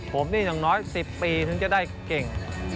ผมนี่อย่างน้อย๑๐ปีถึงจะได้เก่ง